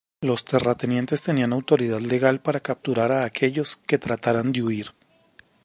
Los terratenientes tenían autoridad legal para capturar a aquellos que trataron de huir.